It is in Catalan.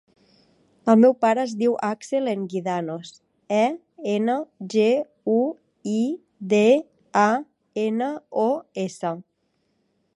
El meu pare es diu Axel Enguidanos: e, ena, ge, u, i, de, a, ena, o, essa.